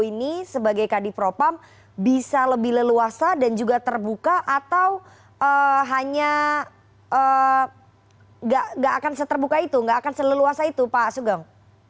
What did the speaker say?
ini sebagai kadipropam bisa lebih leluasa dan juga terbuka atau hanya gak akan seterbuka itu nggak akan seleluasa itu pak sugeng